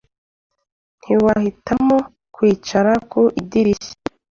Ntiwahitamo kwicara ku idirishya?